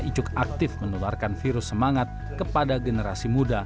icuk aktif menularkan virus semangat kepada generasi muda